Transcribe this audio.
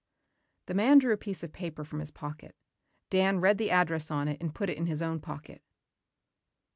The man drew a piece of paper from his pocket. Dan read the address on it and put it in his own pocket.